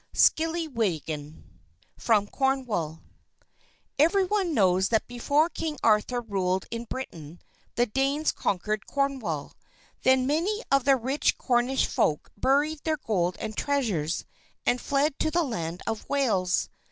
SKILLYWIDDEN From Cornwall Every one knows that before King Arthur ruled in Britain, the Danes conquered Cornwall. Then many of the rich Cornish folk buried their gold and treasures, and fled to the land of Wales.